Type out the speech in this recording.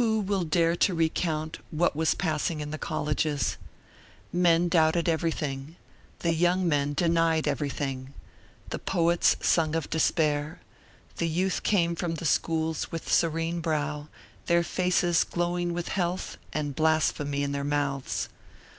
Who will dare to recount what was passing in the colleges? Men doubted everything: the young men denied everything. The poets sung of despair; the youth came from the schools with serene brow, their faces glowing with health and blasphemy in their mouths.